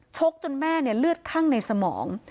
จนแม่เลือดคั่งในสมอง